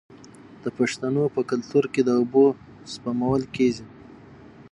د پښتنو په کلتور کې د اوبو سپمول کیږي.